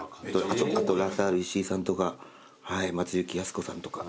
あとラサール石井さんとか松雪泰子さんとか。